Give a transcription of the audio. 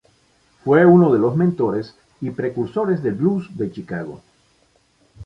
Fue uno de los mentores y precursores del blues de Chicago.